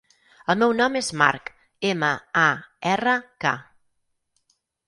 El meu nom és Mark: ema, a, erra, ca.